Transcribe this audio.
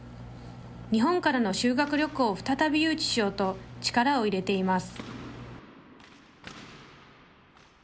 日本からの修学旅行を再び誘致しようと、力を入れています。